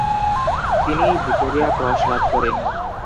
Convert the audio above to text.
তিনি এই Victoria cross লাভ করেন।